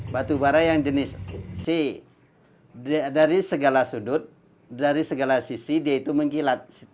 batubara yang jenis si dari segala sudut dari segala sisi dia itu mengkilat